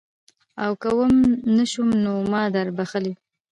او که وم نه شو نو ما دربخلي.